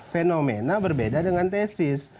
fenomena berbeda dengan tesis